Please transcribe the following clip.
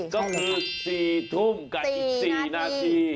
ก็คือ๔ทุ่มกับอีก๔นาที